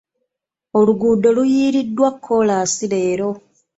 Oluguudo luyiiriddwa kolansi leero.